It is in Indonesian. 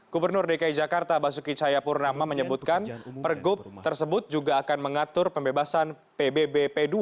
gubernur dki jakarta basuki cayapurnama menyebutkan pergub tersebut juga akan mengatur pembebasan pbbp dua